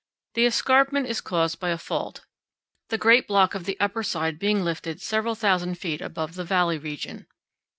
The escarpment is caused by a fault, the great block of the upper side being lifted several thousand feet above the valley region.